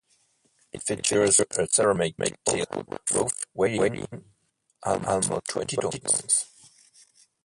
It features a ceramic tile roof weighing almost twenty tons.